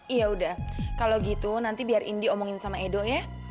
iya udah kalau gitu nanti biar indiomongin sama edo ya